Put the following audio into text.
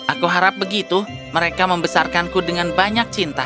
aku harap begitu mereka membesarkanku dengan banyak cinta